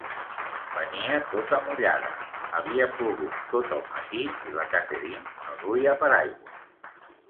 Venia tota mullada; havia plogut tot el matí i la Catherine no duia paraigua.